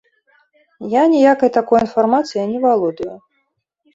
Я ніякай такой інфармацыяй не валодаю.